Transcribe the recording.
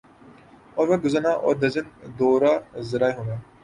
اور وقت گزرنا اور درجن دورہ ذرائع ہونا